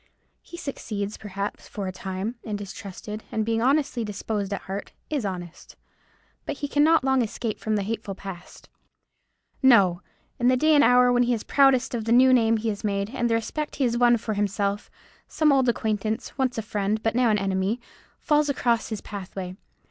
He succeeds, perhaps, for a time, and is trusted, and being honestly disposed at heart, is honest: but he cannot long escape from the hateful past. No! In the day and hour when he is proudest of the new name he has made, and the respect he has won for himself, some old acquaintance, once a friend, but now an enemy, falls across his pathway.